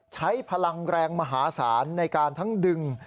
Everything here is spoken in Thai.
ใช้พลังแรงมหาศาลในการทั้งดึง